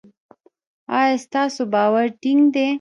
ایا ستاسو باور ټینګ دی؟